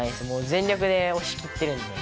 全力でおし切ってるんで。